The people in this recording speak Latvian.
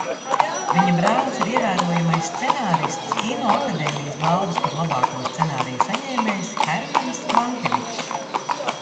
Viņa brālis ir ievērojamais scenārists, Kinoakadēmijas balvas par labāko scenāriju saņēmējs Hermanis Mankevičs.